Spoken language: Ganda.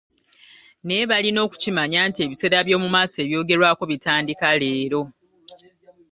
Naye balina okukimanya nti ebiseera eby'omumaaso ebyogerwako bitandika leero .